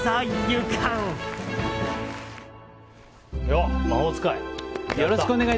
よっ、魔法使い！